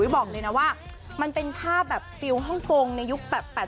บอกเลยนะว่ามันเป็นภาพแบบฟิลฮ่องกงในยุค๘๘